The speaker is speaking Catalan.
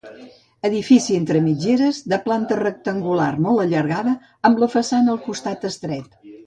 Edifici entre mitgeres, de planta rectangular molt allargada amb la façana al costat estret.